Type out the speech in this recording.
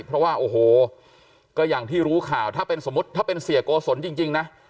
เพราะว่าโอ้โหก็อย่างที่รู้ข่าวถ้าเป็นเสียโกศลจริงนะ